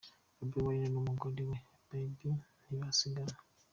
Bobi wine n'umugore we Barbie ntibasigana.